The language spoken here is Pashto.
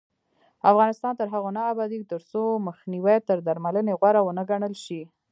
افغانستان تر هغو نه ابادیږي، ترڅو مخنیوی تر درملنې غوره ونه ګڼل شي.